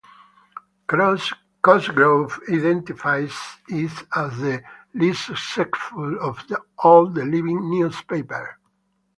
Cosgrove identifies it as the "least successful" of all the Living Newspapers.